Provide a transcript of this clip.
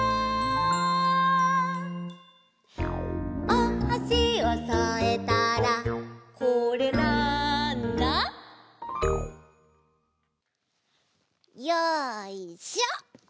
「おはしをそえたらこれ、なんだ？」よいしょ！